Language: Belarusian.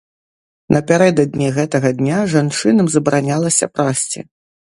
Напярэдадні гэтага дня жанчынам забаранялася прасці.